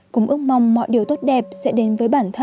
cùng ước mong mọi điều tốt đẹp sẽ đến với bản thân